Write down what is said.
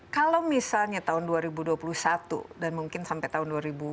kalau misalnya tahun dua ribu dua puluh satu dan mungkin sampai tahun dua ribu dua puluh